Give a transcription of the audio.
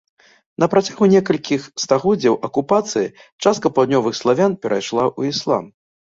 Напрацягу некалькіх стагоддзяў акупацыі, частка паўднёвых славян перайшла ў іслам.